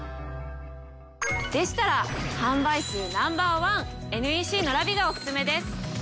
でしたら販売数Ｎｏ．１ＮＥＣのＬＡＶＩＥがお薦めです！